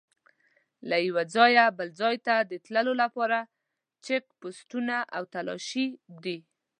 له یوه ځایه بل ځای ته د تلو لپاره چیک پوسټونه او تلاشي دي.